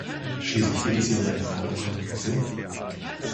Schließlich geht es hier um eine Frage der Kommunikation.